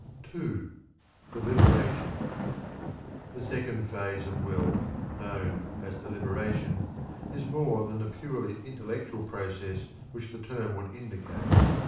(2). DELIBERATION. The second phase of will, known as deliberation, is more than the purely intellectual process which the term would indicate.